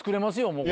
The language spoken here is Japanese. もう。